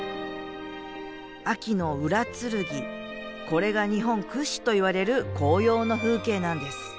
これが日本屈指といわれる紅葉の風景なんです。